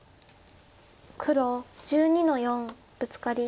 黒１２の四ブツカリ。